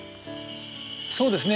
そうですね。